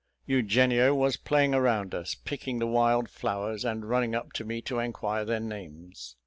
Eugenio was playing around us, picking the wild flowers, and running up to me to inquire their names.